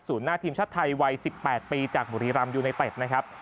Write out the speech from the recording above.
หน้าทีมชาติไทยวัย๑๘ปีจากบุรีรำยูไนเต็ดนะครับ